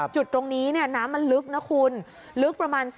จุดตรงนี้น้ำมันลึกนะคุณลึกประมาณ